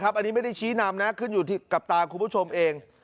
อันนี้ไม่ได้ชี้นำนะขึ้นอยู่กับตาคุณผู้ชมเอง